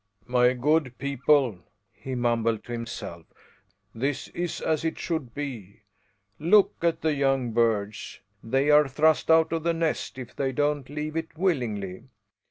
"My good people," he mumbled to himself, "this is as it should be. Look at the young birds! They are thrust out of the nest if they don't leave it willingly.